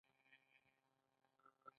هغې وویل محبت یې د دریا په څېر ژور دی.